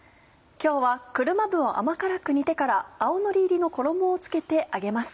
今日は車麩を甘辛く煮てから青のり入りの衣を付けて揚げます。